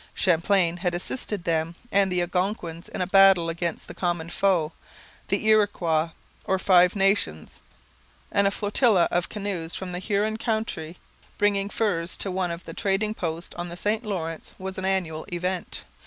Champlain had assisted them and the Algonquins in battle against the common foe, the Iroquois or Five Nations, and a flotilla of canoes from the Huron country, bringing furs to one of the trading posts on the St Lawrence, was an annual event.